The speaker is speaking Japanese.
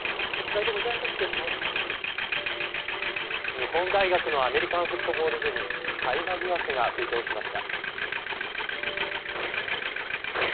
日本大学のアメリカンフットボール部に大麻疑惑が浮上しました。